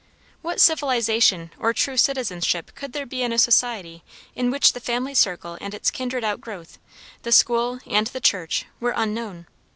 What civilization or true citizenship could there be in a society in which the family circle and its kindred outgrowth the school and the church were unknown!